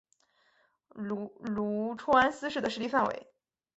麓川思氏的势力范围。